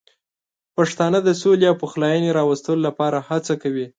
پښتانه د سولې او پخلاینې راوستلو لپاره هڅه کوي.